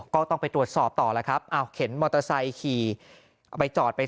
ก็ต้องไปตรวจสอบต่อแล้วครับอ้าวเข็นมอเตอร์ไซค์ขี่เอาไปจอดไป